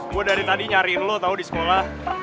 gue dari tadi nyariin lo tau di sekolah